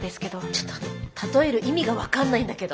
ちょっと例える意味が分かんないんだけど。